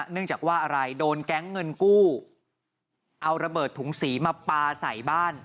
เนื่องจากว่าอะไรโดนแก๊งเงินกู้เอาระเบิดถุงสีมาปลาใส่บ้าน